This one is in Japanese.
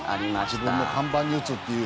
自分の看板に打つっていう。